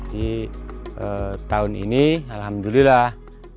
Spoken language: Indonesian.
jadi tahun ini alhamdulillah